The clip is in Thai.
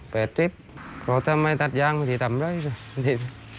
เพราะถ้าไม่ได้ยางไม่ได้ทำไร